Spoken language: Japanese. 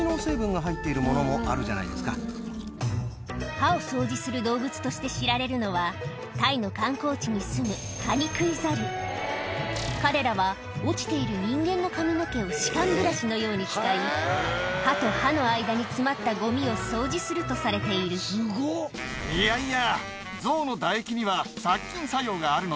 歯を掃除する動物として知られるのはタイの観光地にすむ彼らは落ちている人間の髪の毛を歯間ブラシのように使い歯と歯の間に詰まったゴミを掃除するとされているいやいや！